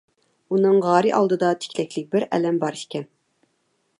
ئۇنىڭ غارى ئالدىدا تىكلەكلىك بىر ئەلەم بار ئىكەن.